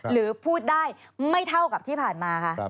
หรือพูดได้ไม่เท่ากับที่ผ่านมาคะ